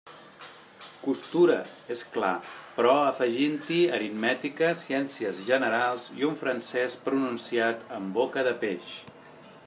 Costura, és clar, però afegint-hi aritmètica, ciències generals, i un francés pronunciat amb boca de peix.